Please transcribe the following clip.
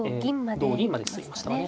同銀まで進みましたね。